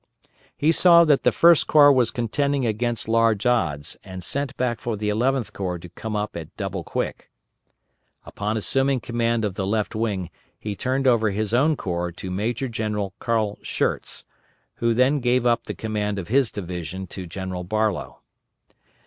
He saw that the First Corps was contending against large odds and sent back for the Eleventh Corps to come up at double quick. Upon assuming command of the Left Wing he turned over his own corps to Major General Carl Schurz, who then gave up the command of his division to General Barlow.